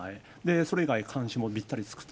それ以外監視もびったりつくと。